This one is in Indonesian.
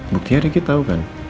buktinya ricky tau kan